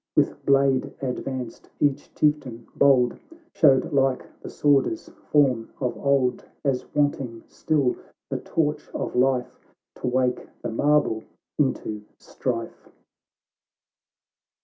"With blade advanced, each Chieftain bold Showed like the Svvorder's form of old, As wanting still the torch of life, To wake the marble into strife.